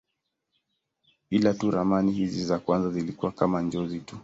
Ila tu ramani hizi za kwanza zilikuwa kama njozi tu.